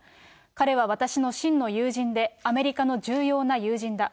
彼は私の真の友人で、アメリカの重要な友人だ。